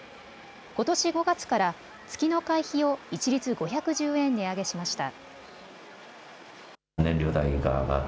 ことし５月から月の会費を一律５１０円値上げしました。